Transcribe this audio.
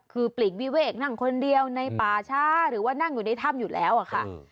คือปลีกวิเวกนั่งคนเดียวในป่าช้าหรือว่านั่งอยู่ในถ้ำอยู่แล้วอะค่ะ